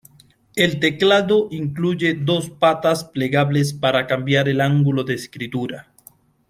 El teclado incluye dos patas plegables para cambiar el ángulo de escritura.